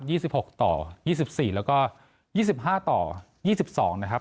ี่สิบหกต่อยี่สิบสี่แล้วก็ยี่สิบห้าต่อยี่สิบสองนะครับ